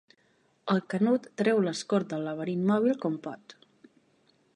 El Canut treu l'Escort del laberint mòbil com pot.